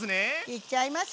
いっちゃいますよ！